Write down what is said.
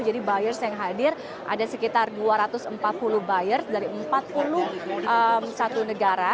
jadi buyers yang hadir ada sekitar dua ratus empat puluh buyers dari empat puluh satu negara